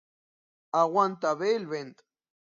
Aguanta bé el vent.